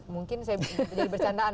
mungkin jadi percandaan